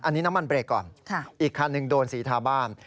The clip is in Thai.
อันนี้น้ำมันเบรกก่อนอีกคันหนึ่งโดนสีทาบ้าน